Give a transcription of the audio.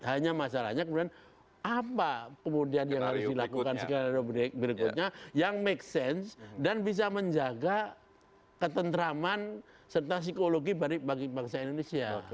hanya masalahnya kemudian apa kemudian yang harus dilakukan secara berikutnya yang make sense dan bisa menjaga ketentraman serta psikologi bagi bangsa indonesia